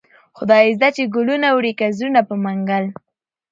خداى زده چې گلونه وړې كه زړونه په منگل